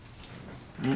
うん？